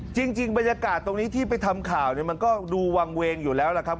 จริงบรรยากาศตรงนี้ที่ไปทำข่าวเนี่ยมันก็ดูวางเวงอยู่แล้วล่ะครับ